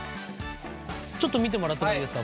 ちょっと見てもらってもいいですか。